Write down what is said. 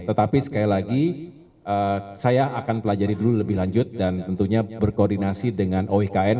tetapi sekali lagi saya akan pelajari dulu lebih lanjut dan tentunya berkoordinasi dengan oik